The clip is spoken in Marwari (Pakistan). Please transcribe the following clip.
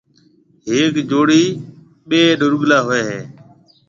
هڪ جوڙِي ٻي ڏورگلا هوئي هيَ